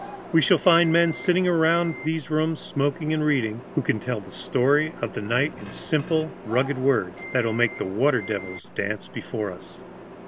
We shall find men sitting about these rooms, smoking and reading, who can tell the story of that night in simple, rugged words that will make the water devils dance before us.